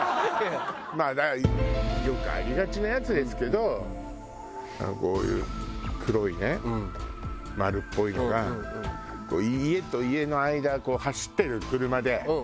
まあだからよくありがちなやつですけどこういう黒いね丸っぽいのが家と家の間を走ってる車で。